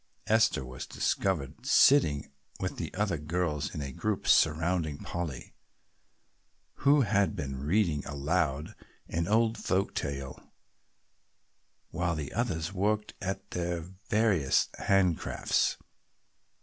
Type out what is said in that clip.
Esther was discovered sitting with the other girls in a group surrounding Polly, who had been reading aloud an old folk tale while the others worked at their various hand crafts.